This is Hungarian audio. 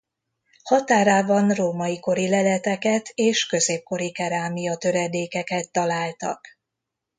Határában római kori leleteket és középkori kerámia töredékeket találtak.